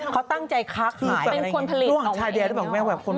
เขาตั้งใจคลักหมายเป็นคนผลิตเอาไว้เอง